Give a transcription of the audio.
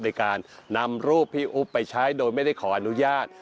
โดยการนำรูปพี่อุ๊บไปใช้โดยไม่ได้ขออนุญาต